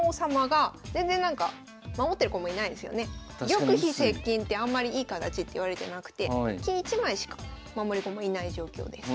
玉飛接近ってあんまりいい形っていわれてなくて金１枚しか守り駒いない状況です。